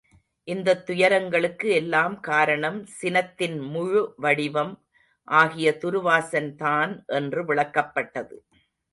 இந்தத் துயரங்களுக்கு எல்லாம் காரணம் சினத்தின்முழு வடிவம் ஆகிய துருவாசன் தான் என்று விளக்கப்பட்டது.